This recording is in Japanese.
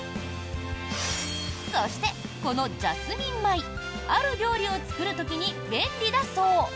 そして、このジャスミン米ある料理を作る時に便利だそう。